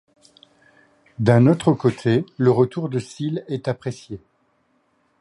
D'un autre côté, le retour de Sil est apprécié.